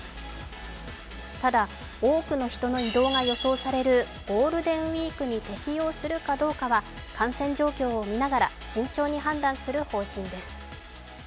ただ、多くの人の移動が予想されるゴールデンウイークに適用するかどうかは感染状況を見ながら慎重に判断する方針です。